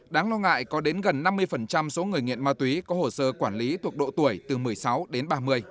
đáng lo ngại có đến gần năm mươi số người nghiện ma túy có hồ sơ quản lý thuộc độ tuổi từ một mươi sáu đến ba mươi